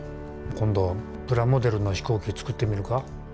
今度プラモデルの飛行機作ってみるか？